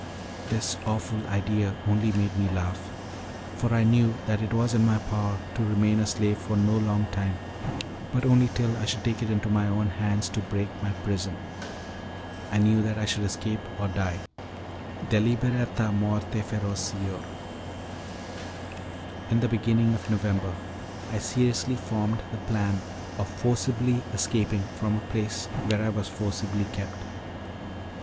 This awful idea only made me laugh, for I knew that it was in my power to remain a slave for no long time, but only till I should take it into my own hands to break my prison. I knew that I should escape or die: 'Deliberata morte ferocior'. In the beginning of November I seriously formed the plan of forcibly escaping from a place where I was forcibly kept.